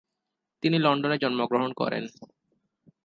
তিনি লন্ডনে জন্মগ্রহণ করেন।